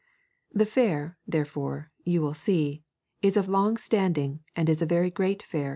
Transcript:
The fair, therefore, you will see, is of long standing and a very great fair.